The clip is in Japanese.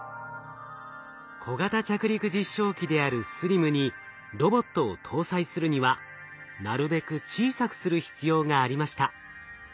小型着陸実証機であるＳＬＩＭにロボットを搭載するにはなるべく小さくする必要がありました。